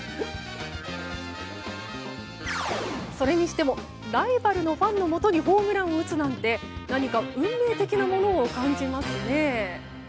それにしてもライバルのファンのもとにホームランを打つなんて何か運命的なものを感じますね。